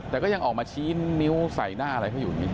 แต่ก็ยังออกมาเชียนนิ้วใส่หน้าอะไรก็อยู่นี่